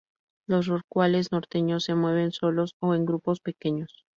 Los rorcuales norteños se mueven solos o en grupos pequeños.